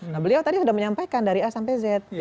nah beliau tadi sudah menyampaikan dari a sampai z